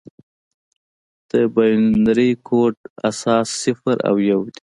د بایونري کوډ اساس صفر او یو دي.